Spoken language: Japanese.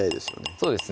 そうですね